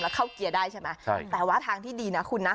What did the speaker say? แล้วเข้าเกียร์ได้ใช่ไหมใช่แต่ว่าทางที่ดีนะคุณนะ